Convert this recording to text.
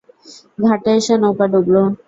ঘাটে এসে নৌকা ডুবলো।